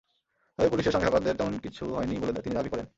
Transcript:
তবে পুলিশের সঙ্গে হকারদের তেমন কিছু হয়নি বলে তিনি দাবি করেন।